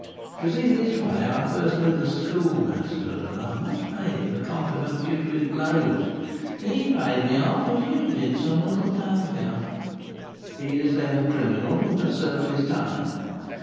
It was in this way I first knew the Schoolmaster; and I must pay him the compliment due to his blows, he paid me off as you did some little time ago." "He is, then, a criminal who has served his time?"